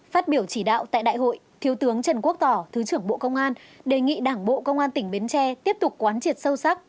phát biểu chỉ đạo tại đại hội thiếu tướng trần quốc tỏ thứ trưởng bộ công an đề nghị đảng bộ công an tỉnh bến tre tiếp tục quán triệt sâu sắc